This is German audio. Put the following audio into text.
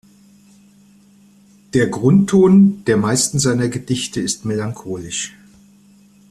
Der Grundton der meisten seiner Gedichte ist melancholisch.